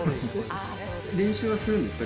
練習はするんですか？